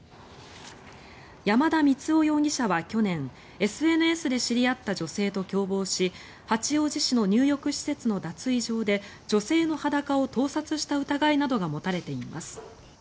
山田満生容疑者は去年ＳＮＳで知り合った女性と共謀し八王子市の入浴施設の脱衣場で女性の裸を盗撮した疑いなどが持たれています。